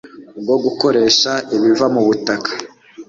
bwo gukoresha ibiva mu butaka